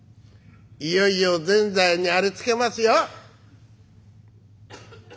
いよいよぜんざいにありつけますよ」。